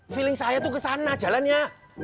feeling saya tuh ke sana jalannya